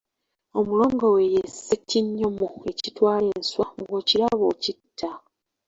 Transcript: Omulongo we ye Ssekinyomo ekitwala enswa, bw'okiraba okitta.